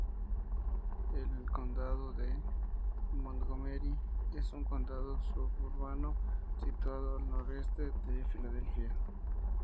El condado de Montgomery es un condado suburbano situado al noroeste de Filadelfia.